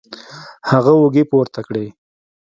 هغه اوږې پورته کړې